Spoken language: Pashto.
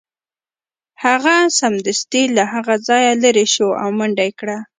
هغه سمدستي له هغه ځایه لیرې شو او منډه یې کړه